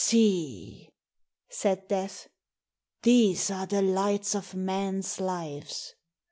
"See," said Death, "these are the lights of men's lives.